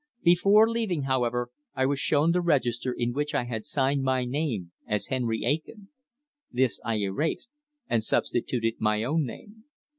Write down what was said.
Before leaving, however, I was shown the register in which I had signed my name as "Henry Aitken." This I erased and substituted my own name.